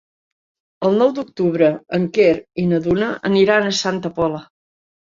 El nou d'octubre en Quer i na Duna aniran a Santa Pola.